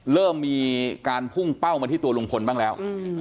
เริ่มมีการพุ่งเป้ามาที่ตัวลุงพลบ้างแล้ว